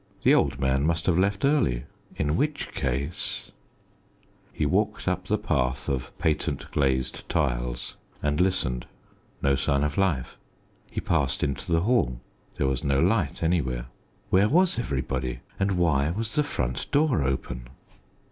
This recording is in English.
The old man must have left early. In which case He walked up the path of patent glazed tiles, and listened. No sign of life. He passed into the hall. There was no light anywhere. Where was everybody, and why was the front door open?